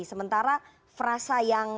sementara frasa yang